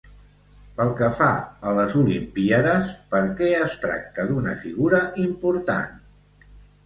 Pel que fa a les Olimpíades, per què es tracta d'una figura important?